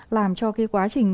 làm cho cái quá trình